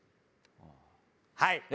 はい！